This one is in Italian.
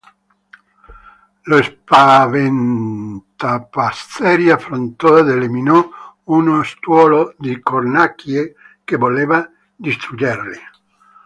Lo spaventapasseri affrontò ed eliminò uno stuolo di cornacchie che voleva distruggerli.